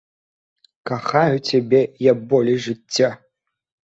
Кахаю цябе я болей жыцця!